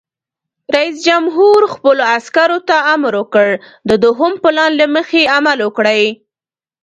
رئیس جمهور خپلو عسکرو ته امر وکړ؛ د دوهم پلان له مخې عمل وکړئ!